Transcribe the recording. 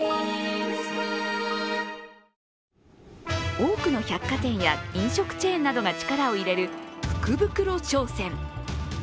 多くの百貨店や飲食チェーンなどが力を入れる福袋商戦。